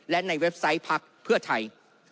และในเว็บไซต์พักเพื่อไทย